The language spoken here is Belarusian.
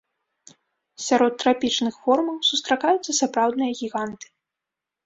Сярод трапічных формаў сустракаюцца сапраўдныя гіганты.